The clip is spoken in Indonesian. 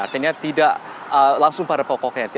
artinya tidak langsung pada pokoknya